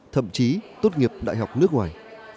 thậm chí tốt nghiệp đại học nước ngoài